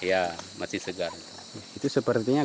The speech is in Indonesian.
ya masih segar itu sepertinya